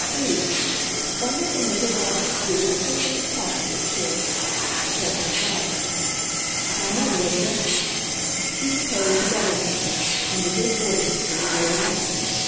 "Do! Bundle the nippers off to school as quickly as possible, of course," said my father. My mother objected. She proposed a governess now and a good boarding school later on.